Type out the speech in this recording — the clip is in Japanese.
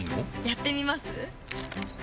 やってみます？